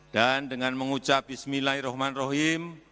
dan dengan mengucap bismillahirrahmanirrahim